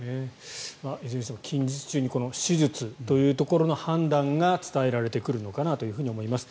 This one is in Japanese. いずれにしても近日中に手術の判断が伝えられてくるのかなと思います。